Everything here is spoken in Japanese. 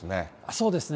そうですね。